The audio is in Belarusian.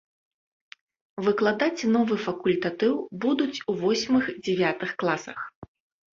Выкладаць новы факультатыў будуць у восьмых-дзявятых класах.